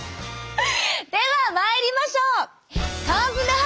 ではまいりましょう！